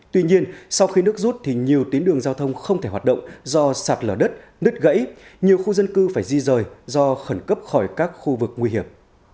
tuy nhiên sau khi nước rút thì nhiều tuyến đường giao thông không thể hoạt động do sạt lở đất nứt gãy nhiều khu dân cư phải di rời do khẩn cấp khỏi các khu vực nguy hiểm